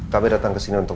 kita datang kesini untuk